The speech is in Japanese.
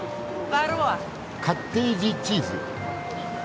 カッテージチーズ。